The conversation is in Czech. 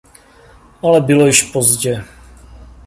Ale bylo již pozdě.